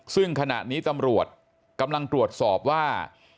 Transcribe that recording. ซึ่งขณะนี้ตำรวจกำลังตรวจสอบว่า